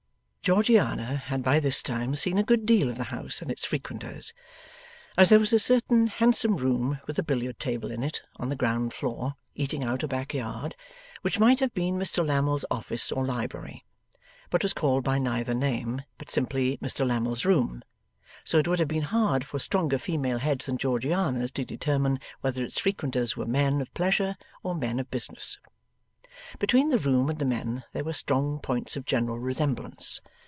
Georgiana had by this time seen a good deal of the house and its frequenters. As there was a certain handsome room with a billiard table in it on the ground floor, eating out a backyard which might have been Mr Lammle's office, or library, but was called by neither name, but simply Mr Lammle's room, so it would have been hard for stronger female heads than Georgiana's to determine whether its frequenters were men of pleasure or men of business. Between the room and the men there were strong points of general resemblance.